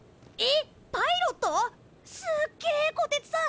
すっげえこてつさん！